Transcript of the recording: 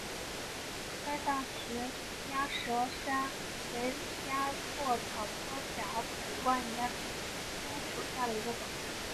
川上氏鸭舌疝为鸭跖草科假紫万年青属下的一个种。